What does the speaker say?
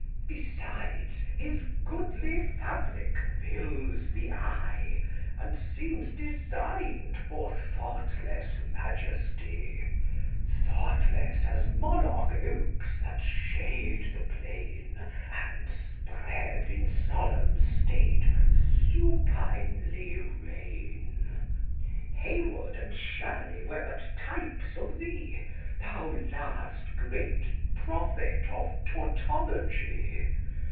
Besides, his goodly fabric fills the eye, And seems design'd for thoughtless majesty : Thoughtless as monarch oaks, that shade the plain, And, spread in solemn state, supinely reign. Hey wood and Shirley 1 were but types of thee, Thou last great prophet of tautology.